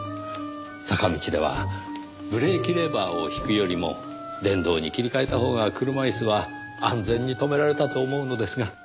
坂道ではブレーキレバーを引くよりも電動に切り替えたほうが車椅子は安全に止められたと思うのですが。